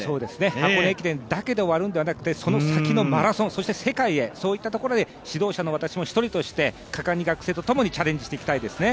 箱根駅伝だけで終わるのではなくてその先のマラソン、そして世界へ、そういったところへ指導者の私も一人として果敢に学生とともにチャレンジしていきたいですね。